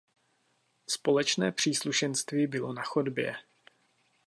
Společné příslušenství bylo na chodbě.